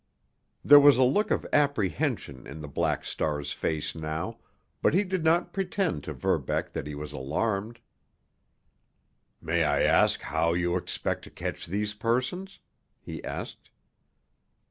There was a look of apprehension in the Black Star's face now, but he did not pretend to Verbeck that he was alarmed. "May I ask how you expect to catch these persons?" he asked.